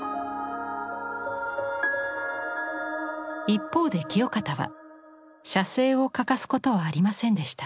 一方で清方は写生を欠かすことはありませんでした。